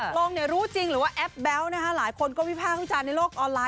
ตกลงรู้จริงหรือว่าแอปแบ๊วหลายคนก็วิพากษ์วิจารณ์ในโลกออนไลน์